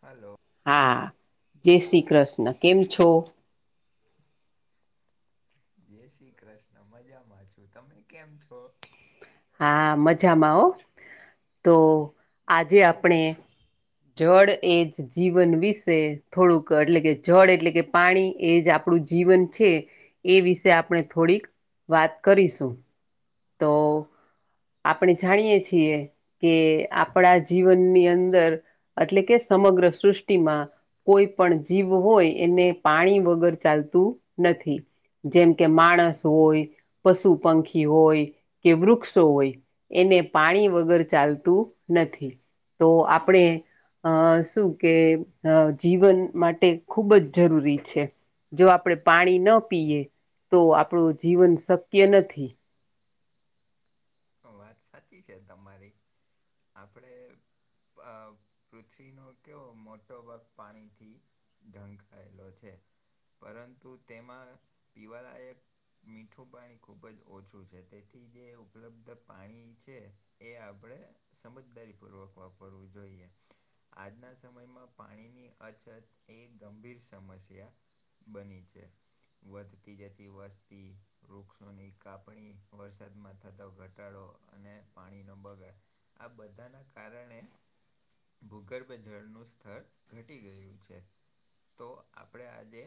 Hello. હા જય શ્રી કૃષ્ણ કેમ છો? જય શ્રી કૃષ્ણ મજામાં છું તમે કેમ છો? હા મજામાં હો, તો આજે આપણે જળ એ જ જીવન વિશે થોડુંક એટલે કે જળ એટલે કે પાણી એ જ આપ આપણું જીવન છે, એ વિશે આપણે થોડીક વાત કરીશું. તો આપણે જાણીએ છીએ. કે આપણા જીવનની અંદર એટલે કે સમગ્ર સૃષ્ટિમાં. કોઈ પણ જીવ હોય એને પાણી વગર ચાલતું નથી. જેમ કે માણસ હોય, પશુ પંખી હોય. કે વૃક્ષો હોય, એને પાણી વગર ચાલતું નથી. તો આપણે અ શું કે જીવન માટે ખૂબ જ જરૂરી છે. જો આપણે પાણી ન પીએ તો આપણું જીવન શક્ય નથી. વાત સાચી છે તમારી, આપડે પૃથ્વીનો કેવ મોટો ભાગ પાણીથી ઢંકાયેલો છે, પરંતુ તેમાં પીવાળ એક મીઠું પાણી ખૂબ જ ઓછું છે તેથી જે ઉપલબ્ધ પાણી છે એ આપણે સમજદારીપૂર્વક વાપરવું જોઈએ. આજના સમયમાં પાણીની અછત એ ગંભીર સમસ્યા બની છે. વધતી જતી વસ્તી વૃક્ષોની કાપણી, વરસાદમાં થતો ઘટ ઘટાડો અને પાણીનો બગડ, આ બધાના કારણે ભૂગર્ભ જળનું સ્થર ઘટી ગયું છે. તો આપણે આજે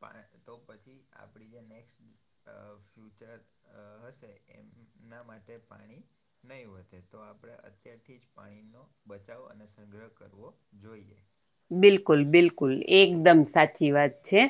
પા તો પછી આપણી જે નેક્સ્ટ અ ફ્યુચર હશે એમના માટે પાણી નહીં વધે તો આપણે અત્યારથી જ પાણીનો બચાવ અને સંગ્રહ કરવો જોઈએ. બિલકુલ બિલકુલ એકદમ સાચી વાત છે.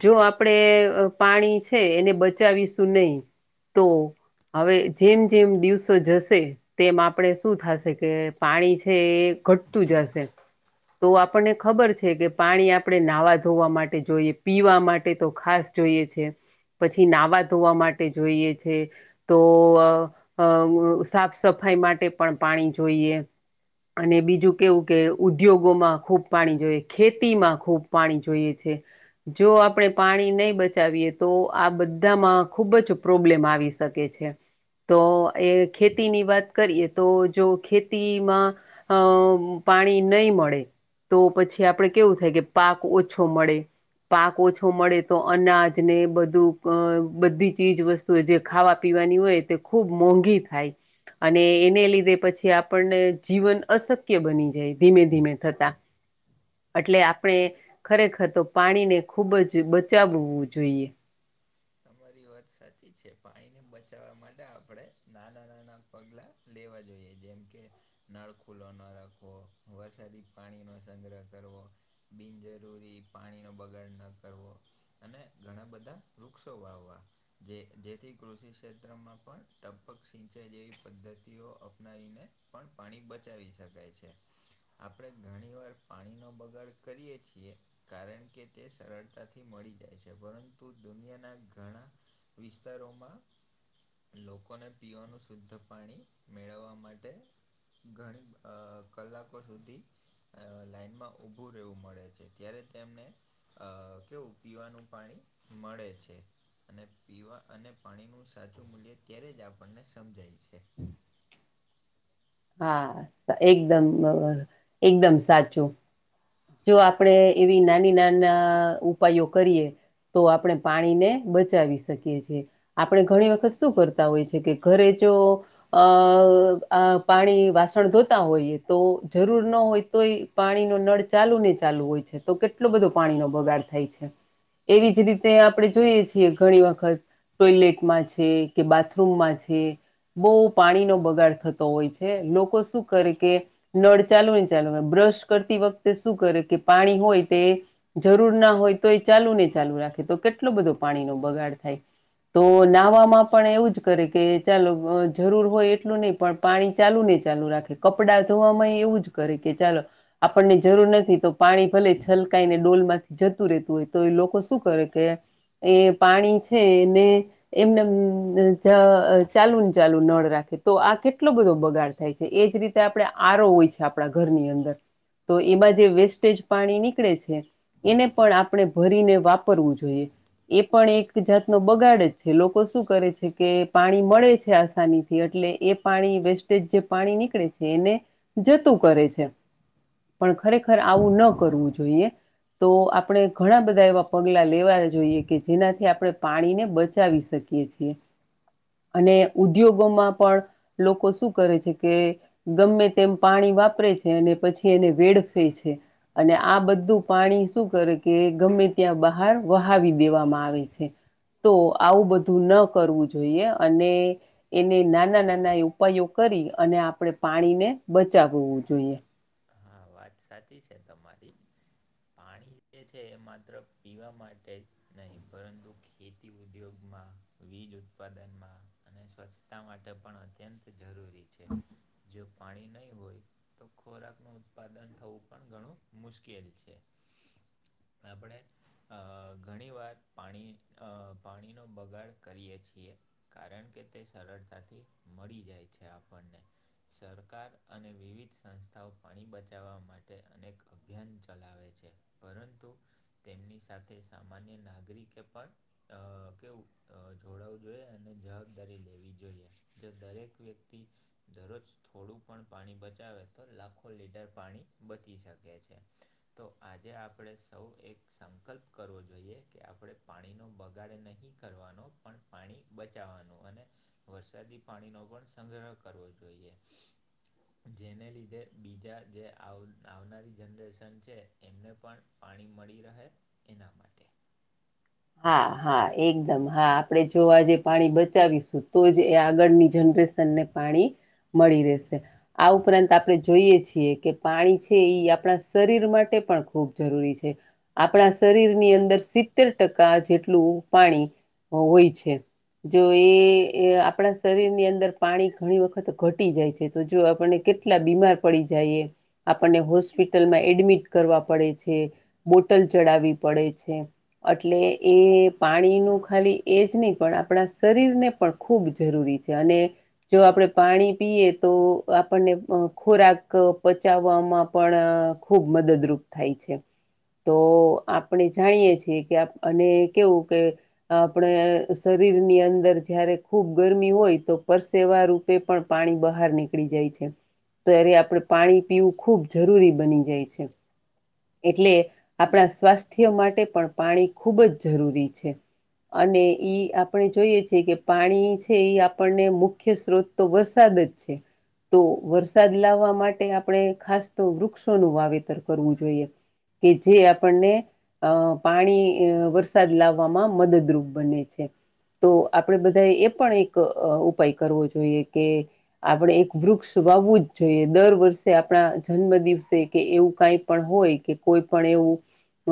જો આપણેે પાણી છે એને બચાવીશું નહી તો? હવે જેમ જેમ દિવસો જશે. તેમ આપણે શું થશે કે પાણી છે એ ઘટતું જ હશે. તો આપણને ખબર છે કે પાણી આપણે નાહવા ધોવા માટે જોઈએ પીવા માટે તો ખાસ. જોઈએ છે પછી નાહવા ધોવા માટે જોઈએ છે. તો સાફ સફાઈ માટે પણ પાણી જોઈએ. અને બીજું કેવું કે ઉદ્યોગ. ગોમાં ખૂબ પાણી જોઈએ ખેતીમાં ખૂબ પાણી જોઈએ છે. જો આપણે પાણી નહી બચાવીએ તો આ બધામાં ખુબ જ પ્રોબ્લેમ આવીશ કે છે તો એ ખેતીની વાત કરીએ તો જો ખેતીમાં. અ પાણી નહી મળે. તો પછી આપડે કેવું થાય કે પાક ઓછો મળે. પાક ઓછો મળે તો અનાજ ને બધું અ બધી ચીજ વસ્તુ. તો જે ખાવા પીવાની હોય તે ખૂબ મોંઘી ખાય. અને એને લીધે પછી આપણને જીવન અશક્ય બની જાય ધીમે ધીમે. થતા. એટલે આપણે ખરેખર તો પાણીને ખૂબ જ બચાવવું જોઈએ. તમારી વાત સાચી છે પાણીને બચાવવા માટે આપણે નાના નાના પગલાં લેવા જોઈએ જેમ કે નળ ખુલ્લો ન રાખવો વરસાદી પાણીનો સંગ્રહ કરવો. બિનજરૂરી પાણીનો બગાડ ન કરવો અને ઘણા બધા વૃક્ષ તો વાવવાં જે જેથી કૃષિ ક્ષેત્રમાં પણ ટપ્પક સિંચાઈ જેવી પદ્ધતિઓ અપનાવીને પણ પાણી બચાવી શકાય છે. આપણે ઘણી વાર પાણીનો બગાડ કરીએ છીએ. કારણ કે તે સરળતાથી મળી જાય છે પરંતુ દુનિયાના ઘણા વિસ્તારોમાં લોકોને પીવાનું શુદ્ધ પાણી મેળવવા માટે ઘણી આ કલાકો સુધી આ લાઈનમાં ઊભું રહેવું મળે છે ત્યારે તેમને આ કેવું પીવાનું પાણી મળે છે. અને પીવા અને પાણીનું સાચું મૂલ્ય ત્યારે જ આપણને સમજાય છે. હા એકદમ બા એકદમ સાચું. જો આપણેે એવી નાની નાના ઉપાયો કરીએ તો આપણે પાણીને બચાવી શકીએ છીએ. આપણે ઘણી વખત શું કરતા હોય છે કે ઘરે જો અ આ પાણી વાસણ ધોતા હોઈએ તો જરૂર ન હોય તોય પાણીનો નળ ચાલુ ને ચાલુ હોય છે તો કેટલો બધો પાણી નો બગાડ થાય છે. એવી જ રીતે આપણે જોઈએ છીએ ઘણી વખત ટોયલેટમાં છે કે બાથરૂમમાં છે. બહુ પાણીનો બગાડ થતો હોય છે લોકો શું કરે કે નળ ચાલુ ને ચાલુ બ્રશ કરતી વખતે શું કરે કે પાણી હોય તે જરૂર ના હોય તો એ ચાલુ ને ચાલુ રાખે તો કેટલું બધું પાણી નો બગાડ થાય. તો નાહવામાં પણ એવું જ કરે કે ચાલો જરૂર હોય એટલું નહી પણ પાણી ચાલુ ને ચાલુ રાખે કપડાં ધોવામાં એવું જ કરે કે ચાલો આપણને જરૂર નથી તો પાણી ભલે છલકાઈ ને ડોલ માંથી જતું રહેતું હોય તો એ લોકો શું કરે કે એ પાણી છે એ ને એમને આમ જ ચાલુ ને ચાલુ નળ રાખે તો આ કેટલો બધો બગાડ થાય છે એ જ રીતે આપણે આરો હોય છે આપણા ઘરની અંદર. તો એમાં જે વેસ્ટેજ પાણી નીકળે છે. એને પણ આપણે ભરીને વાપરવું જોઈએ. એ પણ એક જાતનો બગાડ જ છે લોકો શું કરે છે કે પાણી મળે છે આસાની થી એટલે એ પાણી વેસ્ટેજ જે પાણી નીકળે છે એને જતું કરે છે. પણ ખરેખર આવું ન કરવું જોઈએ. તો આપણે ઘણા બધા એવા પગલાં લેવા જોઈએ કે જેનાથી આપણે પાણીને બચાવી શક શકીએ છીએ. [unintelligible] અને ઉદ્યોગોમાં પણ લોકો શું કરે છે કે ગમે તેમ પાણી વાપરે છે અને પછી એને વેડફે છે. અને આ બધું પાણી શું કરે કે ગમે ત્યાં બહાર વહાવી દેવામાં આવે છે. તો આવું બધું ન કરવું જોઈએ અને એને નાના નાના એ ઉપાયો કરી અને આપણે પાણીને બચાવવું જોઈએ. હા વાત સાચી છે તમારી. પાણી જે છે એ માત્ર પીવા માટે જ નહીં પરંતુ ખેતી ઉદ્યોગમાં વીજ ઉત્પાદનમાં અને સ્વચ્છતા માટે પણ અત્યંત જરૂરી છે. જો પાણી નહીં હોય તો ખોરાકનું. ઉત્પાદન થવું પણ ઘણું મુશ્કેલ છે આપણે. અ ઘણી વાર પાણી પાણીનો બગાડ કરીએ છીએ. કારણ કે તે સરળતાથી મળી જાય છે આપણને સરકાર અને વિવિધ સંસ્થાઓ પાણી બચ લવા માટે અનેક અભિયાન ચલાવે છે પરંતુ તેમની સાથે સામાન્ય નાગરિકે પણ અ કેવું જોડાવું જોઈએ અને જવાબદારી લેવી જોઈએ જો દરેક વ્યક્તિ દરરોજ થોડું પણ પાણી બચાવે તો લાખો લીટર પાણી બચી શકે છે. તો આજે આપણે સૌ એક સંકલ્પ કરવો જોઈએ કે આપણે પાણીનો બગાડે નહીં કરવાનો પણ પાણી બચાવવાનું અને વરસાદી પાણીનો પણ સંગ્રહ કરવો જોઈએ જેને લીધ બીજા જે આવ આવનારી જનરેશન છે એમને પણ પાણી મળી રહે એના માટે. હા હા એકદમ હા આપણેે જો આજે પાણી બચાવીશું તો જ એ આગળની જનરેશન પાણી મળી રહેશે આ ઉપરાંત આપણે જોઈએ છીએ કે પાણી છે આપણા શરીર માટે પણ ખૂબ જરૂરી છે આપણા શરીર ની અંદર સિતર ટકા જેટલું પાણી હોય છે. જો એ આપણા શરીરની અંદર પાણી ઘણી વખત ઘટી જાય છે તો જો આપણે કેટલા બીમાર પડી જાય. આપણને હોસ્પિટલમાં એડમિટ કરવા પડે છે બોટલ ચડાવવી પડે છે. એટલે એ પાણીનું ખાલી એ જ નહી પણ આપણા શરીરને પણ ખૂબ જરૂરી છે અને જો આપડણે પાણી પીએ તો આપણને ખોરાક પચાવવામાં પણ ખૂબ મદદરૂપ થાય છે તો આપણે જાણીએ છીએ ત્યા અને કેવું કે આપણે શરીર ની અંદર જયારે ખૂબ ગરમી હોય તો પરસે વારું તે પણ પાણી બહાર નીકળી જાય છે. તો એ્યારે આપડણે પાણી પીવું ખૂબ જરૂરી બની જાય છે. એટલે આપણા સ્વાસ્થ્ય માટે પણ પાણી ખૂબ જ જરૂરી છે. અને ઈ આપણે જોઈએ છેએ કે પાણી છે એ આપણને મુખ્ય સત્રોત તો વરસાદ જ છે. તો વરસાદ લાવવા માટે આપણે ખાસ તો વૃક્ષોનું વાવેતર કરવું જોઈએ. કે જે આપણને અ પાણી વરસાદ લાવવામાં મદદરૂપ બને છે. તો આપણેે બધાએ એ પણ એક ઉપાય કરવો જોઈએ કે આપણે એક વૃક્ષ વાવવું જ જોઈએ દર વર્ષે આપણા જન્મ દિવસે કે એવું કઈ પણ હોય. કે કોઈ પણ એવું.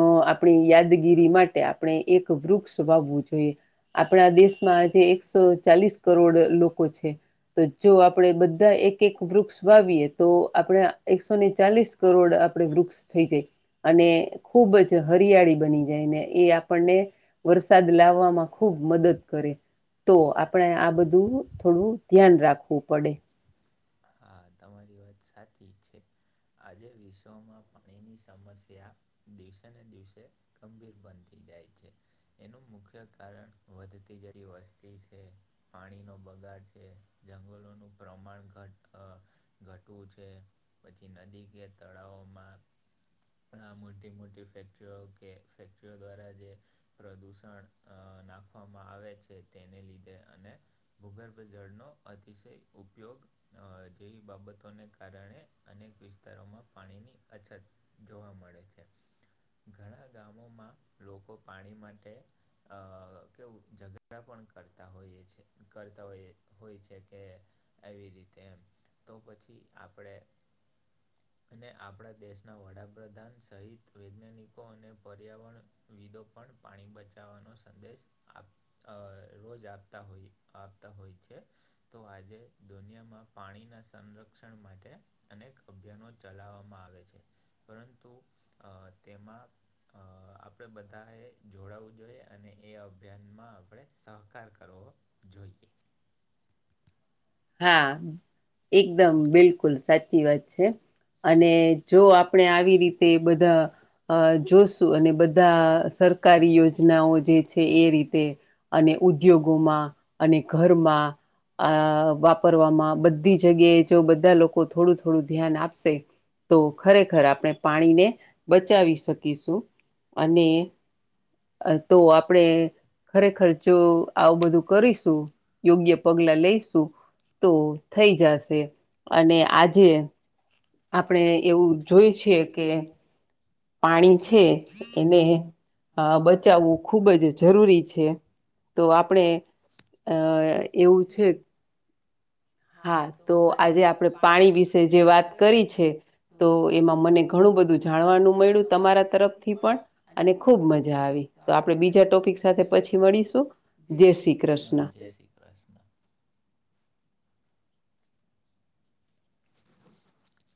અ આપણી યાદગીરી માટે આપણે એક વૃક્ષ વાવવું જોઈએ. આપણા દેશમાં જે એકસો ચાલીસ કરોડ લોકો છે. તો જો આપડે બધા એક એક વૃક્ષ વાવીયએ તો આપડણે એકસો ને ચાલીસ. કરોડ આપડે વ્રુક્ષસ થઈ જાય અને ખૂબ જ હરિયાળી બની જાય ને એ આપણને વરસાદ લાવવામાં ખૂબ મદદ કરે તો આપણે આ બધું થોડું ધ્યાન રાખવું પડે. હા તમારી વાત સાચી છે. આજે વિશ્વમાં પાણીની સમસ્યા દિવસે ને દિવસે. ગંભીર બનતી જાય છે. એનું મુખ્ય કારણ વધતી જડી વસ્તી છે. પાણીનો બગાડ છે જંગલોનું પ્રમાણ ઘટ. અ ઘટવું છે પછી નદી કે તળાવોમાં આ મોટી મોટી ફેક્ટરીઓ કે ફેક્ટરીઓ દ્વારા જે. પ્રદૂષણ અ નાખવામાં આવે છે તેને લીધે અને ભૂગર્ભ જળનો અતિશય ઉપયોગ. અ જેવી બાબતોને કારણે અનેક વિસ્તારોમાં પાણીની અછત. જોવા મળે છે ઘણા ગામોમાં લોકો પાણી માટે. અ કેવું ઝઘડા પણ કરતા હોઈએ છે કરતા હોય હોય છે કે. એવી રીતે એમ તો પછી આપણે અને આપણા દેશના વડાપ્રધાન સહિત વૈજ્ઞાનિકો અને પર્યાવરણ વિદો પણ પાણી બચાવવાનો સંદેશ આપ અ રોજ આપતા હોય આપતા હોય છે. તો આજે દુનિયામાં પાણીના સંરક્ષણ માટે અનેક અભિયાનો. ચલાવવામાં આવે છે પરંતુ અ તેમાં. અ આપણે બધાએ જોડાવું જોઈએ અને એ અભિયાનમાં આપણે સહકાર કરવો. જોઈએ. હા એકદમ બિલકુલ સાચી વાત છે. અને જો આપણે આવી રીતે બધા. અ જોશું અને બધા સરકારી યોજનાઓ જે છે એ રીતે. અને ઉદ્યોગોમાં અને ઘરમાં આ. વાપરવામાં બધી જગ્યાએ જો બધા લોકો થોડું થોડું ધ્યાન આપશે‌. તો ખરેખર આપણે પાણીને બચાવી શકીશું અને. અ તો આપણે ખરેખર જો આવું બધું કરીશું યોગ્ય પગલાં લઈશું. તો થઈ જાશે અને આજે. આપણે એવું જોઈ છીએ કે. પાણી છે એને અ બચાવવું ખૂબ જ જરૂરી છે. તો આપણે અ અ એવું છે. હા તો આજે આપણે પાણી વિશે જે વાત કરી છે‌. તો એમાં મને ઘણું બધું જાણવાનું મળ્યું તમારા તરફથી પણ અને ખુબ મજા આવી. તો આપણે બીજા ટોપિક સાથે પછી મળીશું જય શ્રી કૃષ્ણ હા જય શ્રી કૃષ્ણ. [unintelligible]